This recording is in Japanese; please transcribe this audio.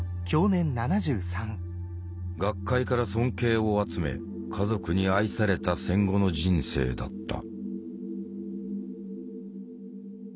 学界から尊敬を集め家族に愛された戦後の人生だった。